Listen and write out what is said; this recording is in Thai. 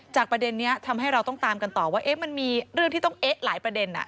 ประเด็นนี้ทำให้เราต้องตามกันต่อว่ามันมีเรื่องที่ต้องเอ๊ะหลายประเด็น